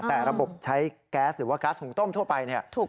แต่ระบบใช้แก๊สหรือว่าก๊าซหุงต้มทั่วไปเนี่ย